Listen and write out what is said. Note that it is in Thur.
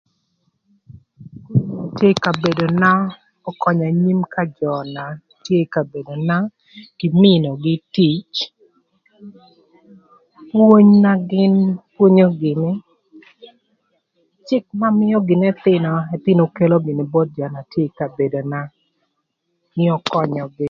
Kï ï kabedona ökönyö anyim ka jö na tye ï kabedona kï mïnögï tic, pwony na gïn pwonyo gïnï, cïk na mïö gïnï ëthïnö, ëthïnö kelo gïnï both jö na tye ï kabedona nï ökönyögï.